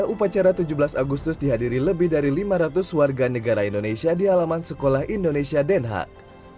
upacara tujuh belas agustus dihadiri lebih dari lima ratus warga negara indonesia di halaman sekolah indonesia den haag